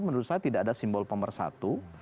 menurut saya tidak ada simbol pemersatu